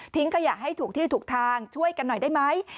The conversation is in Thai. ขยะให้ถูกที่ถูกทางช่วยกันหน่อยได้ไหม